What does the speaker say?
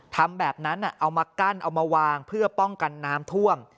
ทำแบบนั้นเอามากั้นเอามาวางเพื่อป้องกันน้ำท่วม